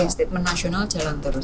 statement nasional jalan terus